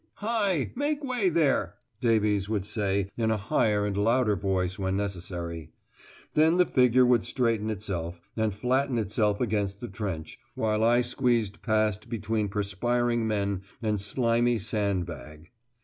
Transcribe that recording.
"Hi! make way there!" Davies would say in a higher and louder voice when necessary. Then the figure would straighten itself, and flatten itself against the trench, while I squeezed past between perspiring man and slimy sand bag.